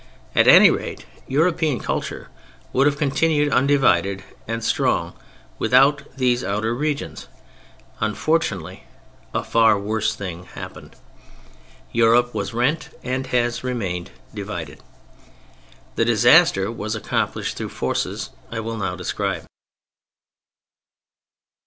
At any rate European culture would have continued undivided and strong without these outer regions. Unfortunately a far worse thing happened. Europe was rent and has remained divided. The disaster was accomplished through forces I will now describe.